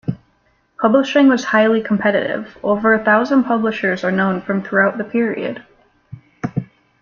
Publishing was highly competitive; over a thousand publishers are known from throughout the period.